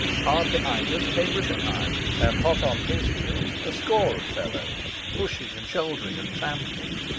Hard behind us came Rischenheim, and hot on his heels a score of fellows, pushing and shouldering and trampling.